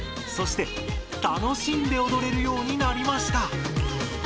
そして楽しんでおどれるようになりました。